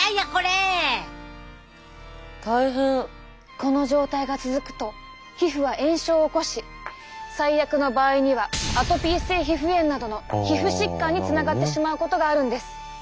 この状態が続くと皮膚は炎症を起こし最悪の場合にはアトピー性皮膚炎などの皮膚疾患につながってしまうことがあるんです。